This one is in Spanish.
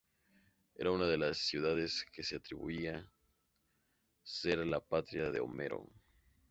Era una de las ciudades que se atribuía ser la patria de Homero.